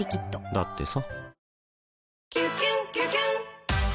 だってさ